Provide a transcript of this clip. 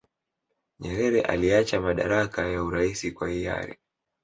nyerere aliacha madaraka ya uraisi kwa hiyari